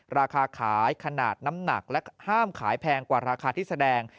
ราคาขายขนาดน้ำหนักและห้ามขายแพงกว่าราคาที่แสดง